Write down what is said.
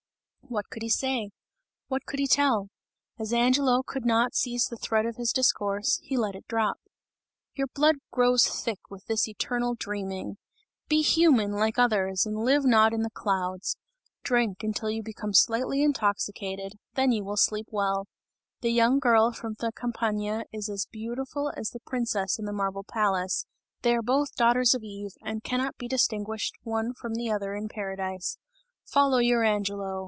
What could he say? What could he tell? As Angelo could not seize the thread of his discourse, he let it drop. "Your blood grows thick with this eternal dreaming! Be human, like others and live not in the clouds! Drink, until you become slightly intoxicated, then you will sleep well! The young girl from the Campagna, is as beautiful as the princess in the marble palace, they are both daughters of Eve, and can not be distinguished one from the other in Paradise! Follow your Angelo!